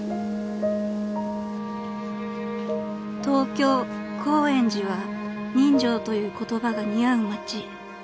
［東京高円寺は人情という言葉が似合う街］